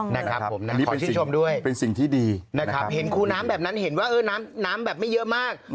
นี่เป็นสิ่งที่ดีนะครับคุณ้ำแบบนั้นเห็นว่าน้ำแบบไม่เยอะมาก